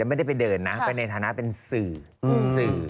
ไม่ได้ไปเดินนะไปในฐานะเป็นสื่อสื่อ